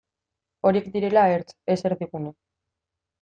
Horiek direla ertz, ez erdigune.